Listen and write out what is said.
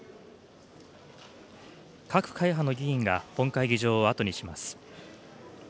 各会派の議員が本会議場を後にします。